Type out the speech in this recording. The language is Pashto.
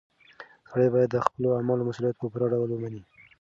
سړی باید د خپلو اعمالو مسؤلیت په پوره ډول ومني.